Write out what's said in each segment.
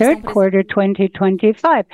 Third quarter 2025.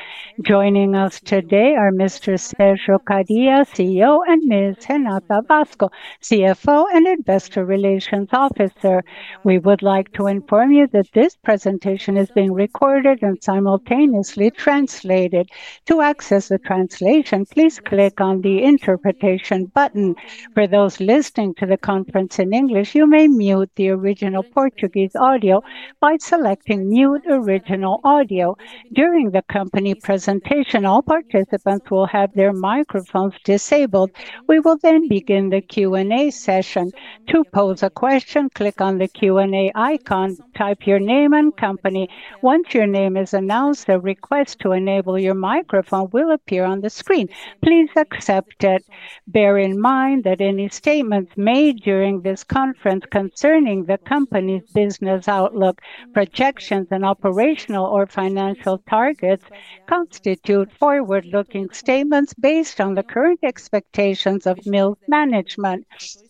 Joining us today are Mr. Sérgio Kariya, CEO, and Ms. Renata Vaz, CFO and Investor Relations Officer. We would like to inform you that this presentation is being recorded and simultaneously translated. To access the translation, please click on the interpretation button. For those listening to the conference in English, you may mute the original Portuguese audio by selecting "Mute original audio." During the company presentation, all participants will have their microphones disabled. We will then begin the Q&A session. To pose a question, click on the Q&A icon, type your name and company. Once your name is announced, a request to enable your microphone will appear on the screen. Please accept it. Bear in mind that any statements made during this conference concerning the company's business outlook, projections, and operational or financial targets constitute forward-looking statements based on the current expectations of Mills management.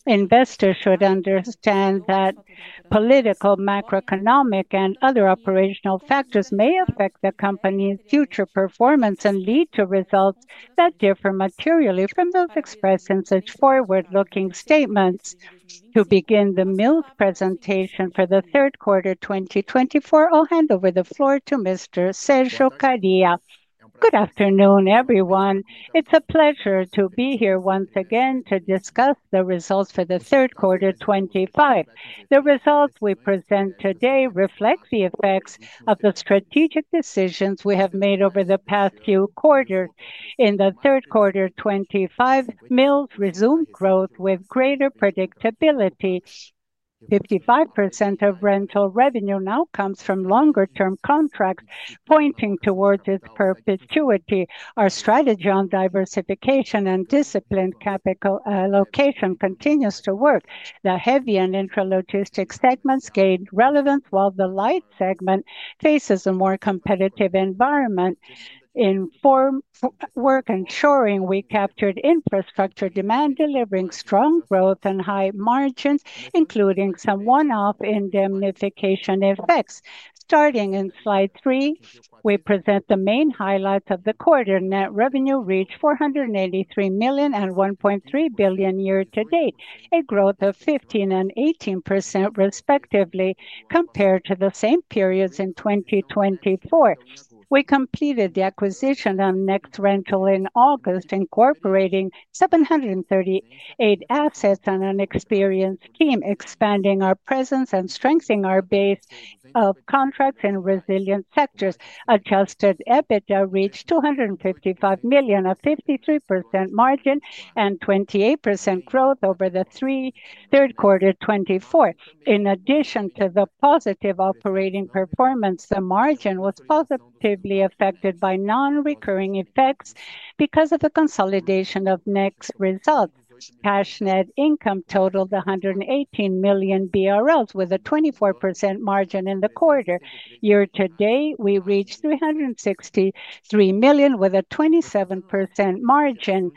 Investors should understand that political, macroeconomic, and other operational factors may affect the company's future performance and lead to results that differ materially from those expressed in such forward-looking statements. To begin the Mills presentation for the third quarter 2024, I'll hand over the floor to Mr. Sérgio Kariya. Good afternoon, everyone. It's a pleasure to be here once again to discuss the results for the third quarter 2025. The results we present today reflect the effects of the strategic decisions we have made over the past few quarters. In the third quarter 2025, Mills resumed growth with greater predictability. 55% of rental revenue now comes from longer-term contracts, pointing towards its perpetuity. Our strategy on diversification and disciplined capital allocation continues to work. The heavy and intralogistic segments gained relevance, while the light segment faces a more competitive environment. In forward work, ensuring we captured infrastructure demand, delivering strong growth and high margins, including some one-off indemnification effects. Starting in slide three, we present the main highlights of the quarter. Net revenue reached 483 million and 1.3 billion year-to-date, a growth of 15% and 18% respectively, compared to the same periods in 2024. We completed the acquisition of Next Rental in August, incorporating 738 assets and an experienced team, expanding our presence and strengthening our base of contracts in resilient sectors. Adjusted EBITDA reached 255 million, a 53% margin and 28% growth over the third quarter 2024. In addition to the positive operating performance, the margin was positively affected by non-recurring effects because of the consolidation of Next results. Cash net income totaled 118 million BRL, with a 24% margin in the quarter. Year-to-date, we reached 363 million, with a 27% margin.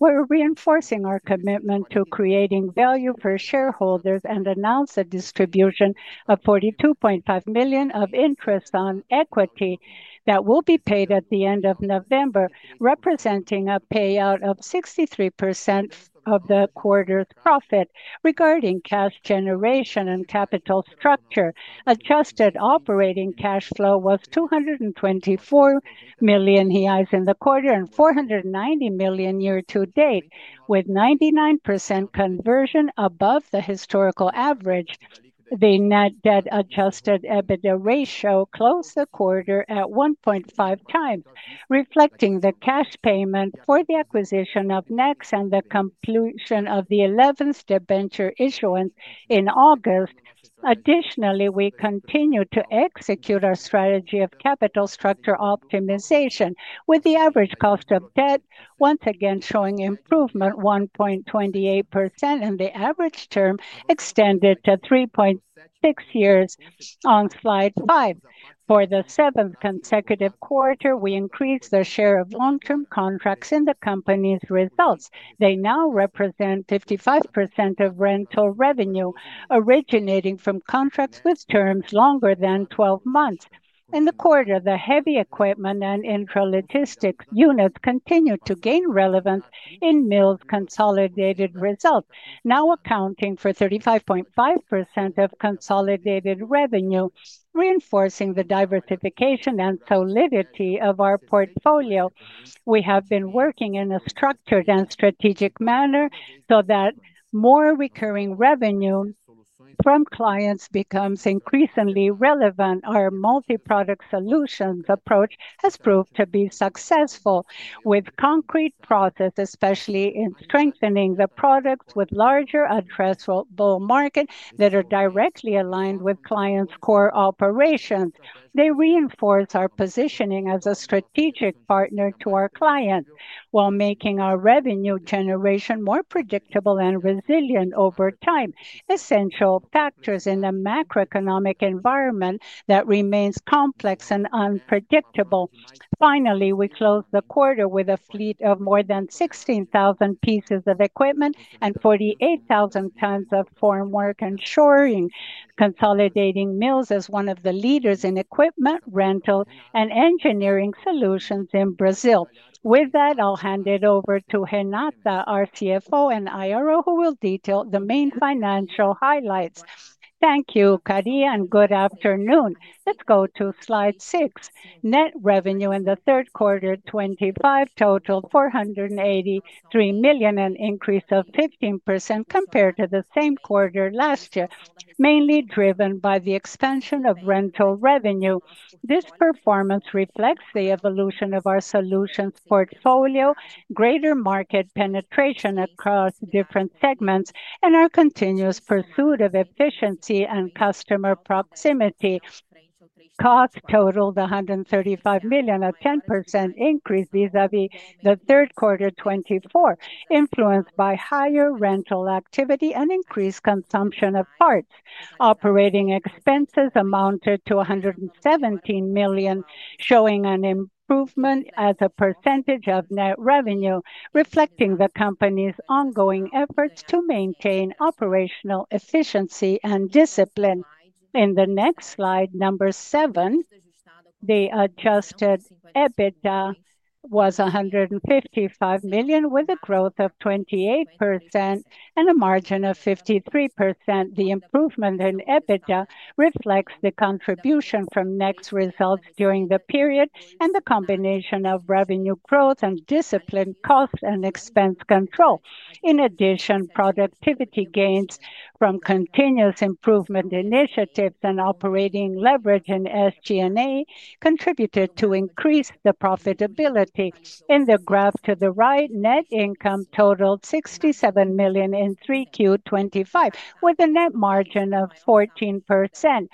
We're reinforcing our commitment to creating value for shareholders and announced a distribution of 42.5 million of interest on equity that will be paid at the end of November, representing a payout of 63% of the quarter's profit. Regarding cash generation and capital structure, adjusted operating cash flow was 224 million reais in the quarter and 490 million year-to-date, with 99% conversion above the historical average. The net debt adjusted EBITDA ratio closed the quarter at 1.5x, reflecting the cash payment for the acquisition of Next and the completion of the 11th debenture issuance in August. Additionally, we continue to execute our strategy of capital structure optimization, with the average cost of debt once again showing improvement, 1.28% in the average term, extended to 3.6 years on slide five. For the seventh consecutive quarter, we increased the share of long-term contracts in the company's results. They now represent 55% of rental revenue originating from contracts with terms longer than 12 months. In the quarter, the heavy equipment and intralogistic units continued to gain relevance in Mills' consolidated results, now accounting for 35.5% of consolidated revenue, reinforcing the diversification and solidity of our portfolio. We have been working in a structured and strategic manner so that more recurring revenue from clients becomes increasingly relevant. Our multi-product solutions approach has proved to be successful, with concrete processes, especially in strengthening the products with larger addressable markets that are directly aligned with clients' core operations. They reinforce our positioning as a strategic partner to our clients while making our revenue generation more predictable and resilient over time, essential factors in a macroeconomic environment that remains complex and unpredictable. Finally, we closed the quarter with a fleet of more than 16,000 pieces of equipment and 48,000 tons of foreign work, ensuring consolidating Mills as one of the leaders in equipment, rental, and engineering solutions in Brazil. With that, I'll hand it over to Renata, our CFO and IRO, who will detail the main financial highlights. Thank you, Kariya, and good afternoon. Let's go to slide six. Net revenue in the third quarter 2025 totaled 483 million, an increase of 15% compared to the same quarter last year, mainly driven by the expansion of rental revenue. This performance reflects the evolution of our solutions portfolio, greater market penetration across different segments, and our continuous pursuit of efficiency and customer proximity. Cost totaled 135 million, a 10% increase vis-à-vis the third quarter 2024, influenced by higher rental activity and increased consumption of parts. Operating expenses amounted to 117 million, showing an improvement as a percentage of net revenue, reflecting the company's ongoing efforts to maintain operational efficiency and discipline. In the next slide, number seven, the adjusted EBITDA was 155 million, with a growth of 28% and a margin of 53%. The improvement in EBITDA reflects the contribution from Next results during the period and the combination of revenue growth and discipline, cost and expense control. In addition, productivity gains from continuous improvement initiatives and operating leverage in SG&A contributed to increase the profitability. In the graph to the right, net income totaled $67 million in three Q 2025, with a net margin of 14%,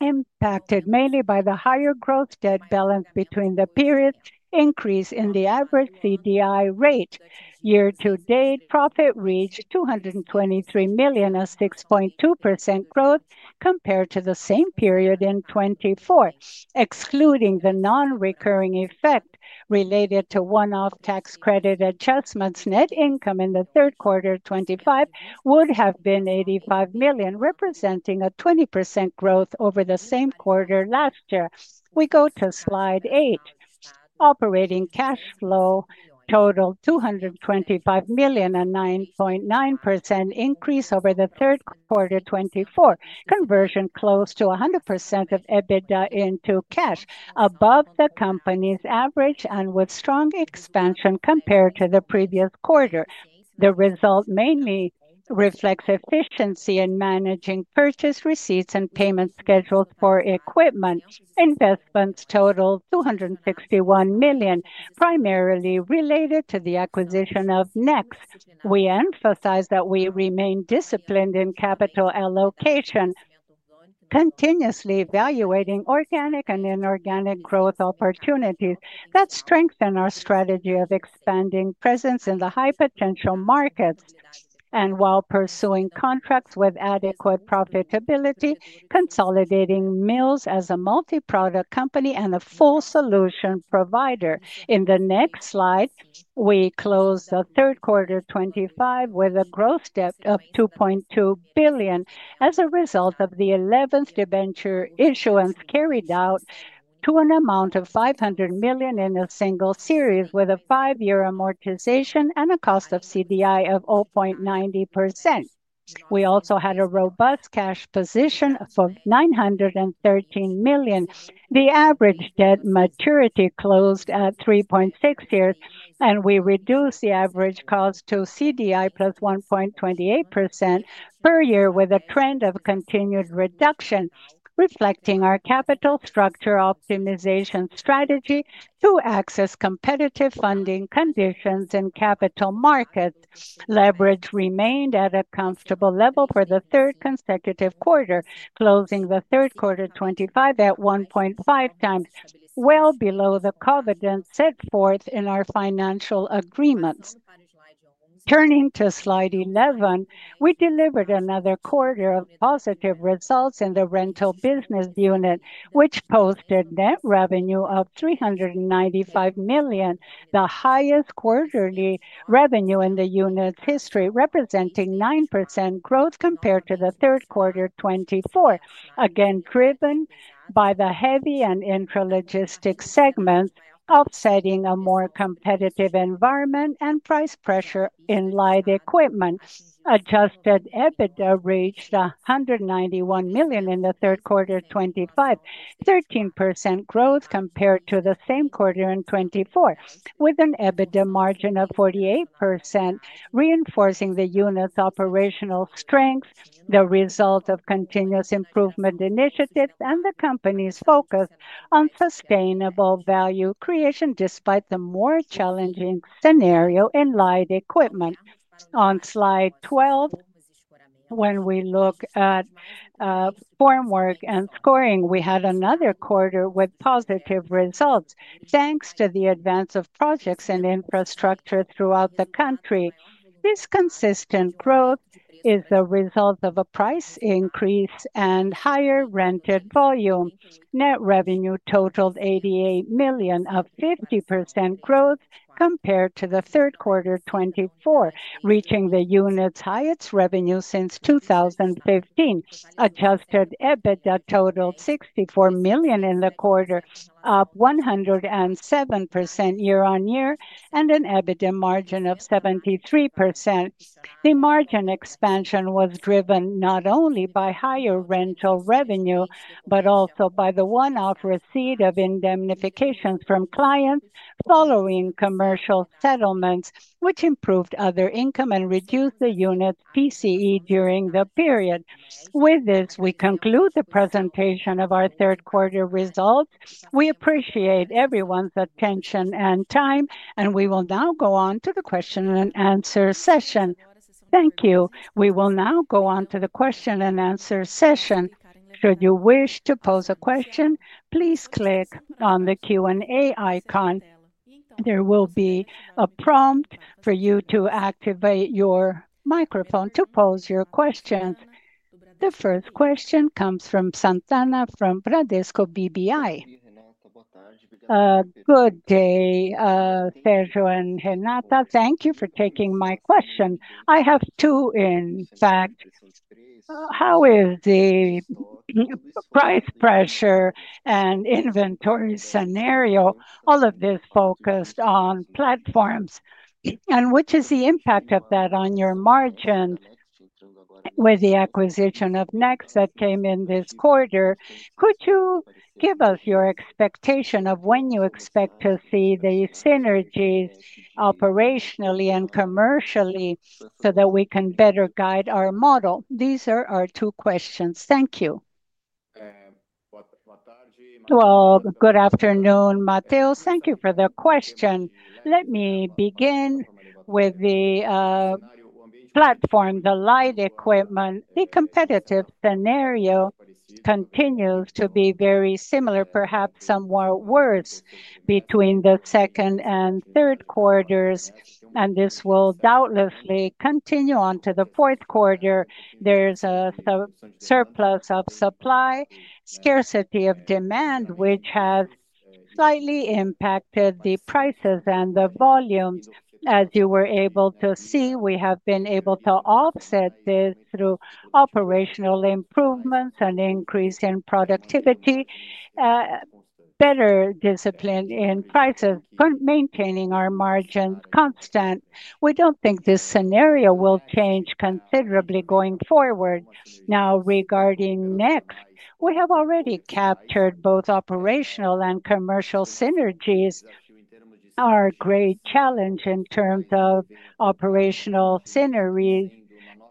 impacted mainly by the higher growth debt balance between the periods, increase in the average CDI rate. Year-to-date, profit reached 223 million, a 6.2% growth compared to the same period in 2024. Excluding the non-recurring effect related to one-off tax credit adjustments, net income in the third quarter 2025 would have been 85 million, representing a 20% growth over the same quarter last year. We go to slide eight. Operating cash flow totaled 225 million, a 9.9% increase over the third quarter 2024. Conversion closed to 100% of EBITDA into cash, above the company's average and with strong expansion compared to the previous quarter. The result mainly reflects efficiency in managing purchase receipts and payment schedules for equipment. Investments totaled 261 million, primarily related to the acquisition of Next Rental. We emphasize that we remain disciplined in capital allocation, continuously evaluating organic and inorganic growth opportunities that strengthen our strategy of expanding presence in the high-potential markets. While pursuing contracts with adequate profitability, consolidating Mills as a multi-product company and a full solution provider. In the next slide, we close the third quarter 2025 with a gross debt of 2.2 billion as a result of the 11th debenture issuance carried out to an amount of 500 million in a single series, with a five-year amortization and a cost of CDI of 0.90%. We also had a robust cash position for 913 million. The average debt maturity closed at 3.6 years, and we reduced the average cost to CDI plus 1.28% per year, with a trend of continued reduction, reflecting our capital structure optimization strategy to access competitive funding conditions in capital markets. Leverage remained at a comfortable level for the third consecutive quarter, closing the third quarter 2025 at 1.5 times, well below the COVID and set forth in our financial agreements. Turning to slide 11, we delivered another quarter of positive results in the rental business unit, which posted net revenue of 395 million, the highest quarterly revenue in the unit's history, representing 9% growth compared to the third quarter 2024, again driven by the heavy and intralogistic segments, offsetting a more competitive environment and price pressure in light equipment. Adjusted EBITDA reached 191 million in the third quarter 2025, 13% growth compared to the same quarter in 2024, with an EBITDA margin of 48%, reinforcing the unit's operational strength, the result of continuous improvement initiatives, and the company's focus on sustainable value creation despite the more challenging scenario in light equipment. On slide 12, when we look at foreign work and scoring, we had another quarter with positive results, thanks to the advance of projects and infrastructure throughout the country. This consistent growth is the result of a price increase and higher rented volume. Net revenue totaled 88 million, a 50% growth compared to the third quarter 2024, reaching the unit's highest revenue since 2015. Adjusted EBITDA totaled 64 million in the quarter, up 107% year-on-year, and an EBITDA margin of 73%. The margin expansion was driven not only by higher rental revenue, but also by the one-off receipt of indemnifications from clients following commercial settlements, which improved other income and reduced the unit's PCE during the period. With this, we conclude the presentation of our third quarter results. We appreciate everyone's attention and time, and we will now go on to the question and answer session. Thank you. Should you wish to pose a question, please click on the Q&A icon. There will be a prompt for you to activate your microphone to pose your questions. The first question comes from Sant'Anna from Bradesco BBI. Good day, Sergio and Renata. Thank you for taking my question. I have two, in fact. How is the price pressure and inventory scenario, all of this focused on platforms, and which is the impact of that on your margins with the acquisition of Next that came in this quarter? Could you give us your expectation of when you expect to see the synergies operationally and commercially so that we can better guide our model? These are our two questions. Thank you. Good afternoon, Matheus. Thank you for the question. Let me begin with the platform, the light equipment. The competitive scenario continues to be very similar, perhaps somewhat worse between the second and third quarters, and this will doubtlessly continue on to the fourth quarter. There is a surplus of supply, scarcity of demand, which has slightly impacted the prices and the volumes. As you were able to see, we have been able to offset this through operational improvements and increase in productivity, better discipline in prices, maintaining our margins constant. We do not think this scenario will change considerably going forward. Now, regarding Next, we have already captured both operational and commercial synergies. Our great challenge in terms of operational synergies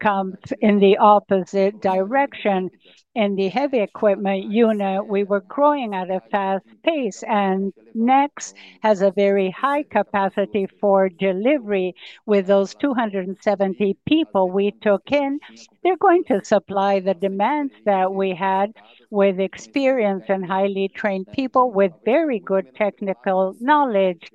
comes in the opposite direction. In the heavy equipment unit, we were growing at a fast pace, and Next has a very high capacity for delivery with those 270 people we took in. They're going to supply the demands that we had with experience and highly trained people with very good technical knowledge.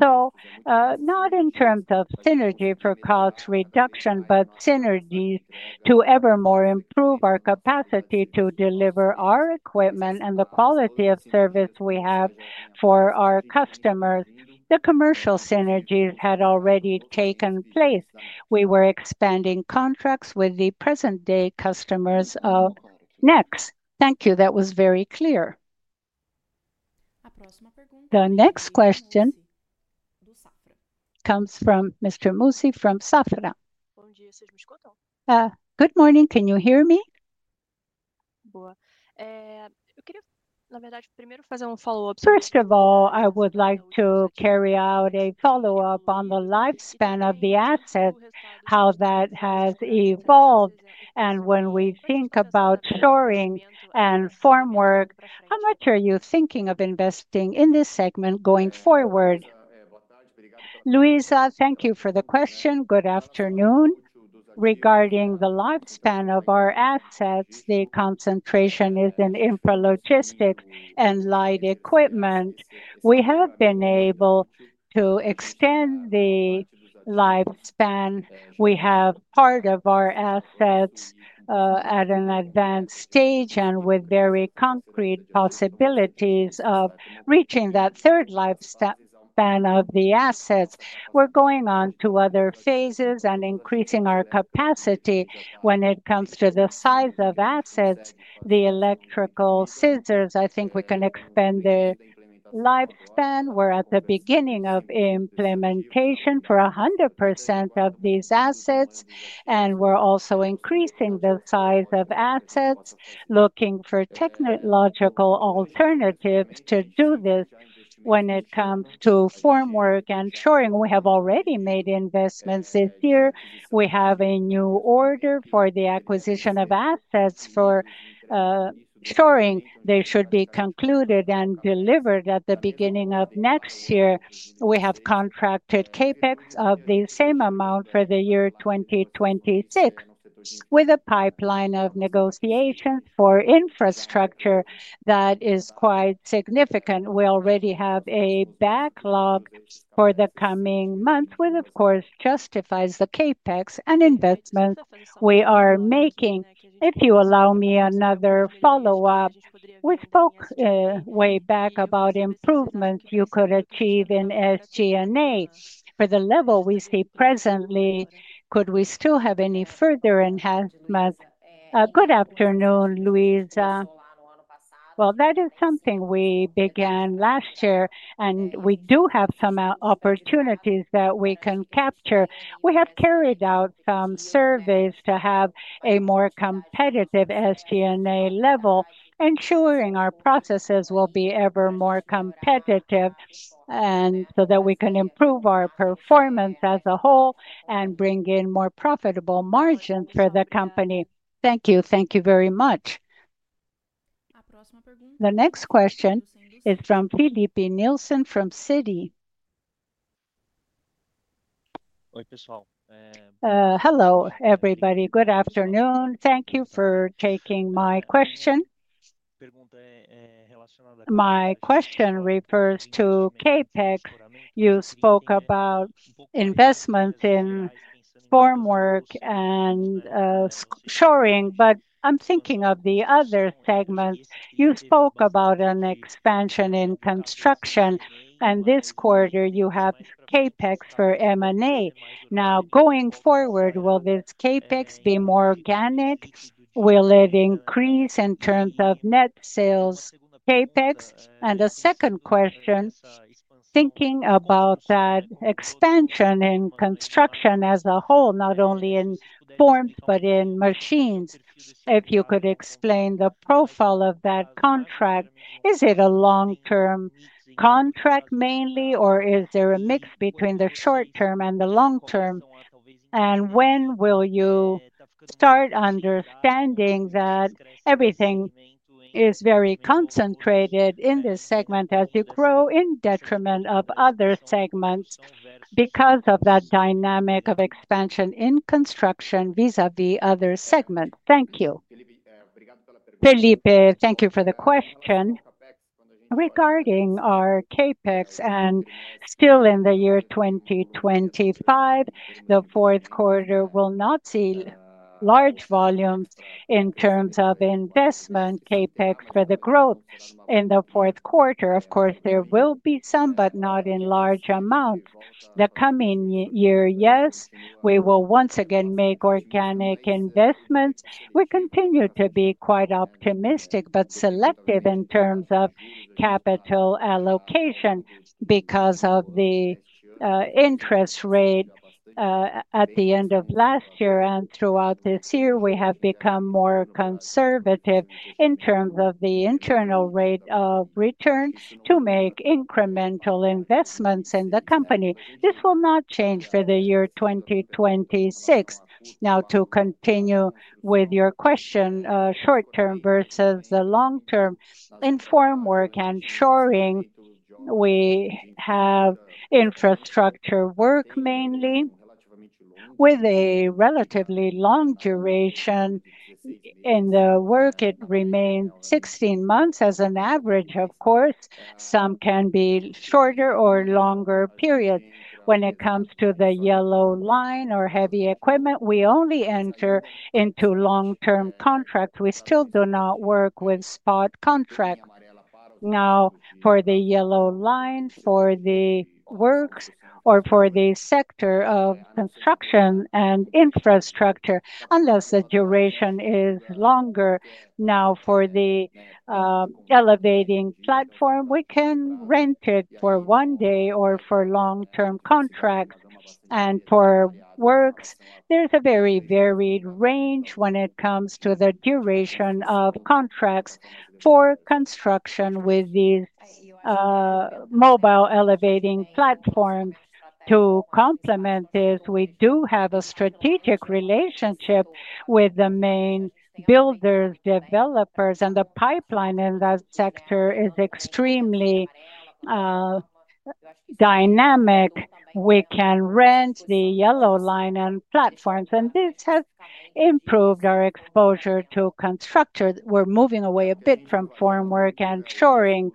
Not in terms of synergy for cost reduction, but synergies to ever more improve our capacity to deliver our equipment and the quality of service we have for our customers. The commercial synergies had already taken place. We were expanding contracts with the present-day customers of Next. Thank you. That was very clear. The next question comes from Ms. Mussi from Safra. Good morning. Can you hear me? First of all, I would like to carry out a follow-up on the lifespan of the asset, how that has evolved, and when we think about shoring and foreign work, how much are you thinking of investing in this segment going forward? Luiza, thank you for the question. Good afternoon. Regarding the lifespan of our assets, the concentration is in intralogistic and light equipment. We have been able to extend the lifespan. We have part of our assets at an advanced stage and with very concrete possibilities of reaching that third lifespan of the assets. We're going on to other phases and increasing our capacity when it comes to the size of assets, the electrical scissors. I think we can expand the lifespan. We're at the beginning of implementation for 100% of these assets, and we're also increasing the size of assets, looking for technological alternatives to do this. When it comes to foreign work and shoring, we have already made investments this year. We have a new order for the acquisition of assets for shoring. They should be concluded and delivered at the beginning of next year. We have contracted CapEx of the same amount for the year 2026, with a pipeline of negotiations for infrastructure that is quite significant. We already have a backlog for the coming months, which of course justifies the CapEx and investments we are making. If you allow me another follow-up, we spoke way back about improvements you could achieve in SG&A. For the level we see presently, could we still have any further enhancements? Good afternoon, Luiza. That is something we began last year, and we do have some opportunities that we can capture. We have carried out some surveys to have a more competitive SG&A level, ensuring our processes will be ever more competitive so that we can improve our performance as a whole and bring in more profitable margins for the company. Thank you. Thank you very much. The next question is from Filipe Nielsen from Citi. Hello, everybody. Good afternoon. Thank you for taking my question. My question refers to CapEx. You spoke about investments in foreign work and shoring, but I'm thinking of the other segments. You spoke about an expansion in construction, and this quarter you have CapEx for M&A. Now, going forward, will this CapEx be more organic? Will it increase in terms of net sales CapEx? The second question, thinking about that expansion in construction as a whole, not only in forms but in machines, if you could explain the profile of that contract, is it a long-term contract mainly, or is there a mix between the short-term and the long-term? When will you start understanding that everything is very concentrated in this segment as you grow in detriment of other segments because of that dynamic of expansion in construction vis-à-vis other segments? Thank you. Filipe, thank you for the question. Regarding our CapEx, and still in the year 2025, the fourth quarter will not see large volumes in terms of investment CapEx for the growth in the fourth quarter. Of course, there will be some, but not in large amounts. The coming year, yes, we will once again make organic investments. We continue to be quite optimistic but selective in terms of capital allocation because of the interest rate at the end of last year and throughout this year. We have become more conservative in terms of the internal rate of return to make incremental investments in the company. This will not change for the year 2026. Now, to continue with your question, short-term versus the long-term, in foreign work and shoring, we have infrastructure work mainly with a relatively long duration in the work. It remains 16 months as an average, of course. Some can be shorter or longer periods. When it comes to the yellow line or heavy equipment, we only enter into long-term contracts. We still do not work with spot contracts. Now, for the yellow line, for the works, or for the sector of construction and infrastructure, unless the duration is longer. Now, for the elevating platform, we can rent it for one day or for long-term contracts. For works, there is a very varied range when it comes to the duration of contracts for construction with these mobile elevating platforms. To complement this, we do have a strategic relationship with the main builders, developers, and the pipeline in that sector is extremely dynamic. We can rent the yellow line and platforms, and this has improved our exposure to constructors. We are moving away a bit from foreign work and shoring.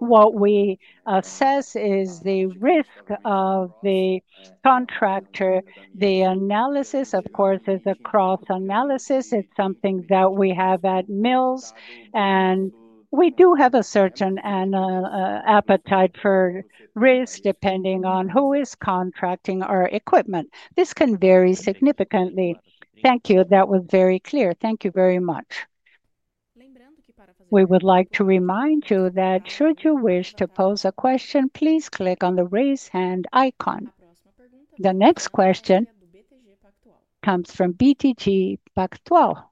What we assess is the risk of the contractor. The analysis, of course, is a cross-analysis. It's something that we have at Mills, and we do have a certain appetite for risk depending on who is contracting our equipment. This can vary significantly. Thank you. That was very clear. Thank you very much. We would like to remind you that should you wish to pose a question, please click on the raise hand icon. The next question comes from BTG Pactual.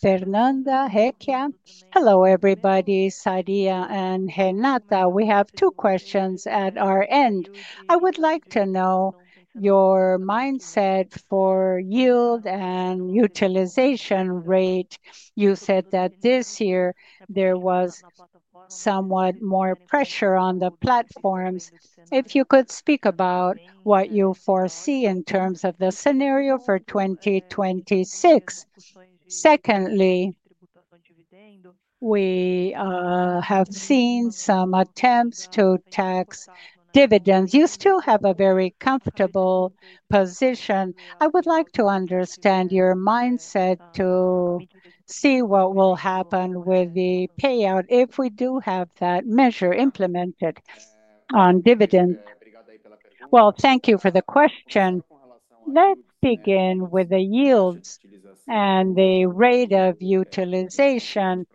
Fernanda Recchia. Hello, everybody. Sérgio and Renata. We have two questions at our end. I would like to know your mindset for yield and utilization rate. You said that this year there was somewhat more pressure on the platforms. If you could speak about what you foresee in terms of the scenario for 2026. Secondly, we have seen some attempts to tax dividends. You still have a very comfortable position. I would like to understand your mindset to see what will happen with the payout if we do have that measure implemented on dividends. Thank you for the question. Let's begin with the yields and the rate of utilization.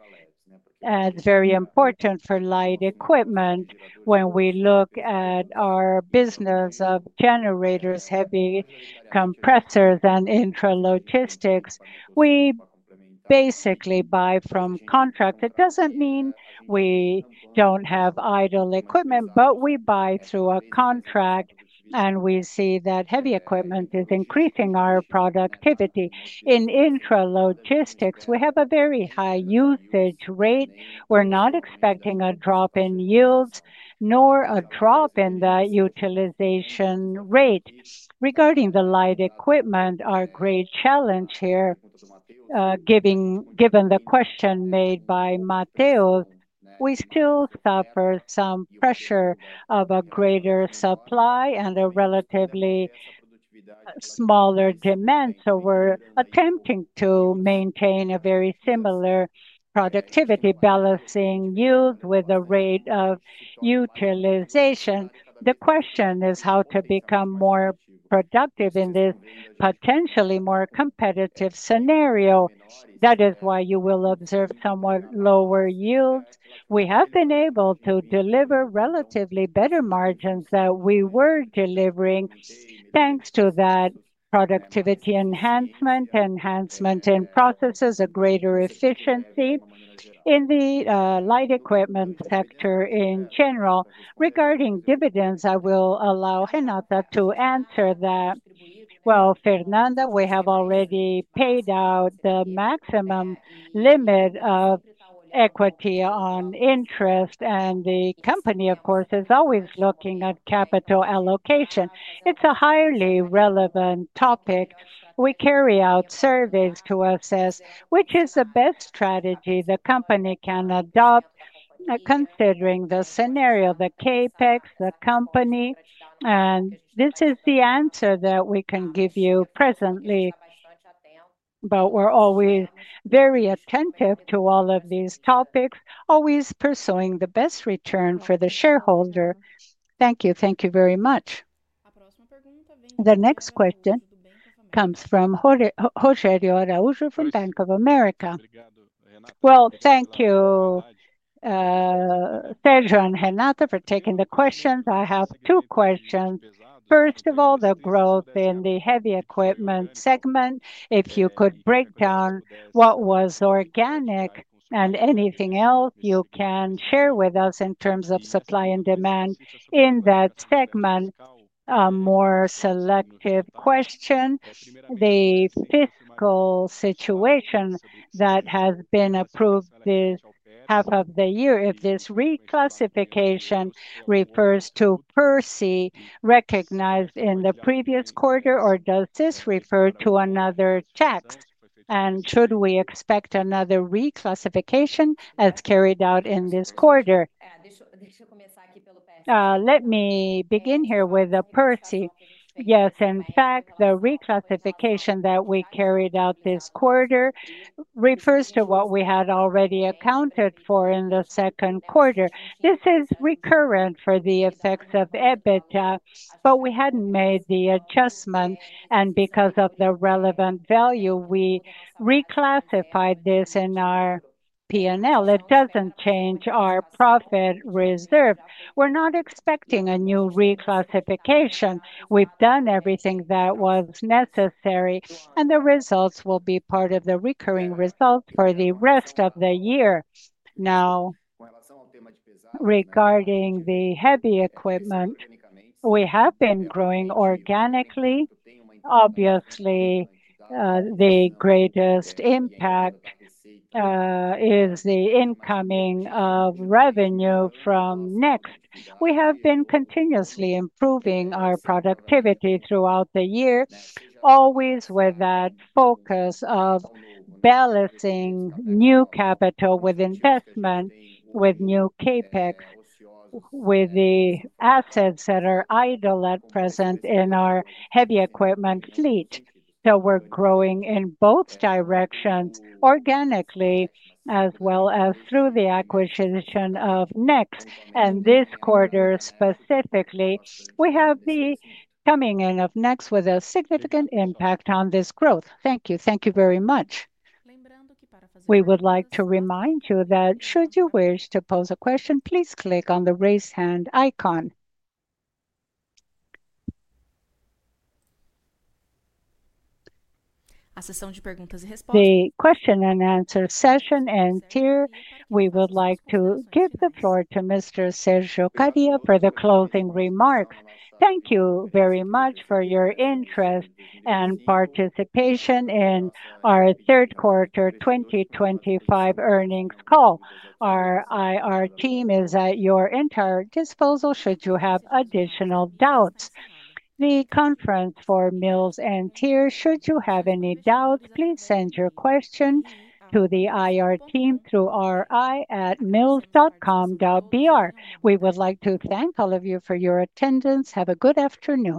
It's very important for light equipment. When we look at our business of generators, heavy compressors, and intralogistic, we basically buy from contracts. It doesn't mean we don't have idle equipment, but we buy through a contract, and we see that heavy equipment is increasing our productivity. In intralogistic, we have a very high usage rate. We're not expecting a drop in yields nor a drop in the utilization rate. Regarding the light equipment, our great challenge here, given the question made by Matheus, we still suffer some pressure of a greater supply and a relatively smaller demand. We're attempting to maintain a very similar productivity, balancing yields with a rate of utilization. The question is how to become more productive in this potentially more competitive scenario. That is why you will observe somewhat lower yields. We have been able to deliver relatively better margins than we were delivering thanks to that productivity enhancement, enhancement in processes, a greater efficiency in the light equipment sector in general. Regarding dividends, I will allow Renata to answer that. Fernanda, we have already paid out the maximum limit of equity on interest, and the company, of course, is always looking at capital allocation. It's a highly relevant topic. We carry out surveys to assess which is the best strategy the company can adopt considering the scenario, the CapEx, the company. This is the answer that we can give you presently. We're always very attentive to all of these topics, always pursuing the best return for the shareholder. Thank you. Thank you very much. The next question comes from Rogério Araújo from Bank of America. Thank you, Sérgio and Renata, for taking the questions. I have two questions. First of all, the growth in the heavy equipment segment. If you could break down what was organic and anything else you can share with us in terms of supply and demand in that segment, a more selective question. The fiscal situation that has been approved this half of the year, if this reclassification refers to Percy recognized in the previous quarter, or does this refer to another tax? Should we expect another reclassification as carried out in this quarter? Let me begin here with the Percy. Yes, in fact, the reclassification that we carried out this quarter refers to what we had already accounted for in the second quarter. This is recurrent for the effects of EBITDA, but we had not made the adjustment. Because of the relevant value, we reclassified this in our P&L. It does not change our profit reserve. We are not expecting a new reclassification. We have done everything that was necessary, and the results will be part of the recurring results for the rest of the year. Now, regarding the heavy equipment, we have been growing organically. Obviously, the greatest impact is the incoming of revenue from Next. We have been continuously improving our productivity throughout the year, always with that focus of balancing new capital with investment, with new CapEx, with the assets that are idle at present in our heavy equipment fleet. We're growing in both directions, organically, as well as through the acquisition of Next. This quarter specifically, we have the coming in of Next with a significant impact on this growth. Thank you. Thank you very much. We would like to remind you that should you wish to pose a question, please click on the raise hand icon. The question and answer session ends here. We would like to give the floor to Mr. Sérgio Kariya for the closing remarks. Thank you very much for your interest and participation in our third quarter 2025 earnings call. Our IR team is at your entire disposal should you have additional doubts. The conference for Mills, and Tier, should you have any doubts, please send your question to the IR team through ri@mills.com.br. We would like to thank all of you for your attendance. Have a good afternoon.